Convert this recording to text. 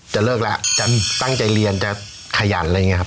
เลิกแล้วจะตั้งใจเรียนจะขยันอะไรอย่างนี้ครับ